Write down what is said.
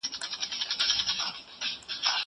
زه هره ورځ کتابتون ته راځم!